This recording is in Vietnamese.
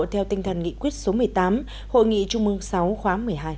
theo tinh thần nghị quyết số một mươi tám hội nghị trung mương sáu khóa một mươi hai